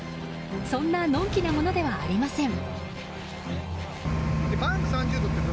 そんなのんきなものではありません。